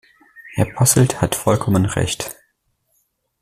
Herr Posselt hat vollkommen Recht.